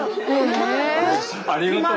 ありがとう。